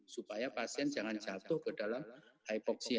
supaya pasien jangan jatuh ke dalam hypoxia